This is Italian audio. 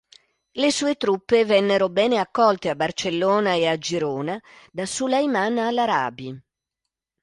Le sue truppe vennero bene accolte a Barcellona ed a Girona da Sulayman al-Arabi.